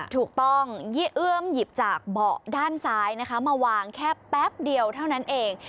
ถูกต้องยี่เอื้อมหยิบจากเบาะด้านซ้ายนะคะมาวางแค่แป๊บเดียวเท่านั้นเอง